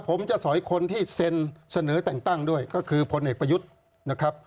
ผมจะสอยคนที่เซ็นเสนอแต่งตั้งด้วยก็คือพลเอกประยุทธ์นะครับ